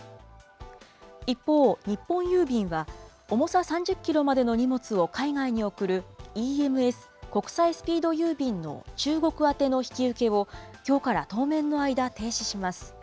一方、日本郵便は重さ３０キロまでの荷物を海外に送る、ＥＭＳ・国際スピード郵便の中国宛ての引き受けを、きょうから当面の間、停止します。